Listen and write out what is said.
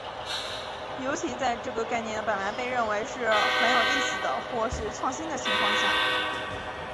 尤其在这个概念本来被认为是很有意思的或是创新的情况下。